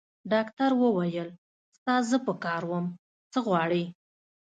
ډاکټر وویل: ستا زه په کار وم؟ څه غواړې؟